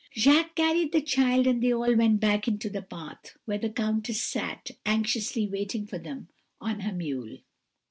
"Jacques carried the child, and they all went back into the path, where the countess sat, anxiously waiting for them, on her mule.